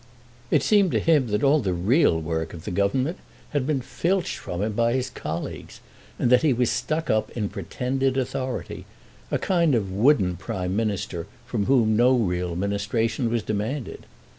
It seemed to him that all the real work of the Government had been filched from him by his colleagues, and that he was stuck up in pretended authority, a kind of wooden Prime Minister, from whom no real ministration was demanded.